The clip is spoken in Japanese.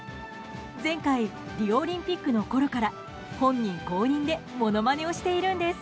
前回リオオリンピックのころから本人公認でものまねをしているんです。